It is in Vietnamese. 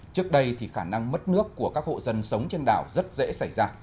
trước đây thì khả năng mất nước của các hộ dân sống trên đảo rất dễ xảy ra